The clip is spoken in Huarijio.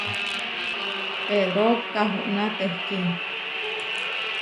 Pedró kahuná tehkí.